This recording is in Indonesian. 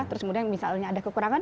terus kemudian misalnya ada kekurangan